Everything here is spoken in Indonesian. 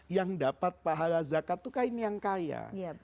yang dapat pahala zakat itu kan yang kaya